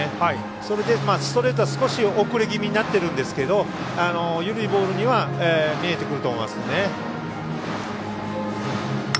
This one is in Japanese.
それで、ストレートは少し遅れ気味になっているんですけど緩いボールには見えてくると思います。